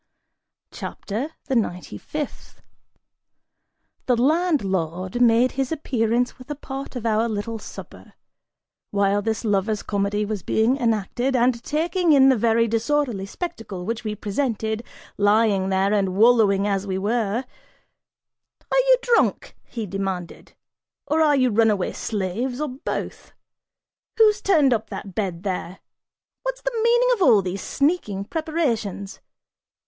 CHAPTER THE NINETY FIFTH. The landlord made his appearance with a part of our little supper, while this lover's comedy was being enacted and, taking in the very disorderly spectacle which we presented, lying there and wallowing as we were, "Are you drunk," he demanded, "or are you runaway slaves, or both? Who turned up that bed there? What's the meaning of all these sneaking preparations?